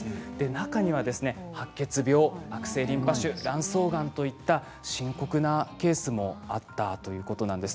中には、白血病、悪性リンパ腫卵巣がんといった深刻なケースもあったということなんです。